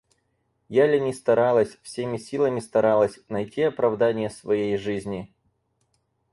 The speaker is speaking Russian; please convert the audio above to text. Я ли не старалась, всеми силами старалась, найти оправдание своей жизни?